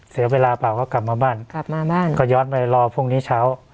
เสียเวลาป่าวก็กลับมาบ้านก็ย้อนไปรอพรุ่งนี้เช้า